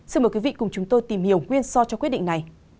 xin mời quý vị cùng chúng tôi tìm hiểu nguyên so cho quyết định này